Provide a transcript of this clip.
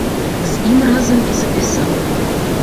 З ім разам і запісаў.